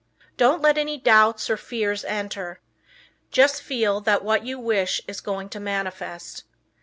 Don't let any doubts or fears enter. Just feel that what you wish is going to manifest.